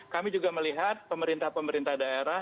kami juga melihat pemerintah pemerintah daerah